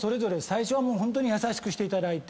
最初はホントに優しくしていただいて。